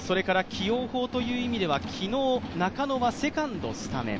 起用法という意味では、昨日中野はセカンドスタメン。